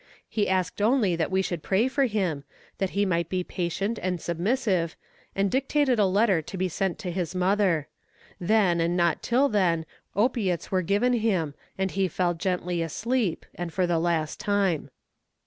He asked only that we should pray for him, that he might be patient and submissive, and dictated a letter to be sent to his mother. Then, and not till then, opiates were given him, and he fell gently asleep, and for the last time.